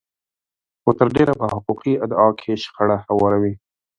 خو تر ډېره په حقوقي ادعا کې شخړې هواروي.